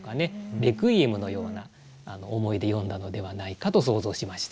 レクイエムのような思いで詠んだのではないかと想像しました。